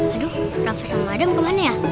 aduh rafa sama adam kemana ya